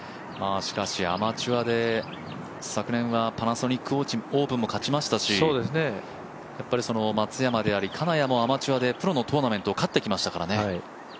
しかし、アマチュアで昨年はパナソニックオープンも勝ちましたし松山であり、金谷もアマチュアでプロのトーナメントを勝ってきましたからね。